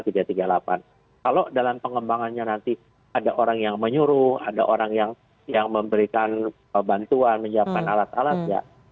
kalau dalam pengembangannya nanti ada orang yang menyuruh ada orang yang memberikan bantuan menyiapkan alat alat ya